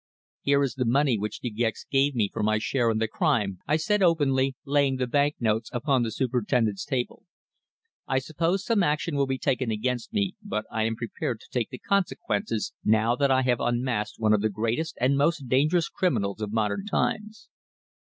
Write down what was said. "Here is the money which De Gex gave me for my share in the crime," I said openly, laying the bank notes upon the Superintendent's table. "I suppose some action will be taken against me, but I am prepared to take the consequences, now that I have unmasked one of the greatest and most dangerous criminals of modern times."